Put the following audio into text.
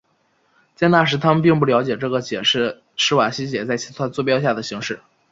在那时他们并不了解这个解是史瓦西解在其他座标下的形式。